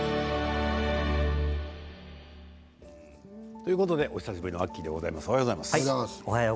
ということでお久しぶりのアッキーでございます。